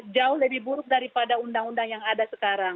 jauh lebih buruk daripada undang undang yang ada sekarang